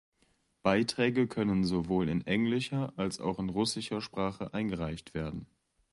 Beiträge können sowohl in englischer als auch russischer Sprache eingereicht werden.